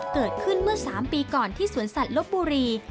เกิดขึ้นเมื่อ๓ปีก่อนที่สวนสัตว์ลบบุรี